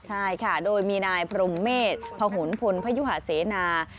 ใช่ค่ะโดยมีนายพรมเมษพหุนพลพยุหาเสนา